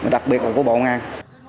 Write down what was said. đặc biệt là của bộ ngang